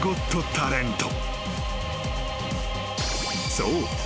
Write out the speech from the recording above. ［そう。